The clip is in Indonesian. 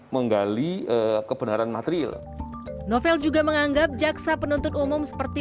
menggali kebenaran material novel juga menganggap jaksa penuntut umum seperti